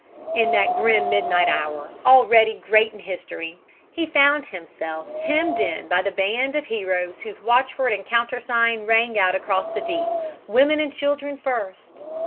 In that grim midnight hour, already great in history, he found himself hemmed in by the band of heroes whose watchword and countersign rang out across the deep "Women and children first!"